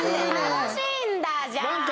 楽しんだじゃん！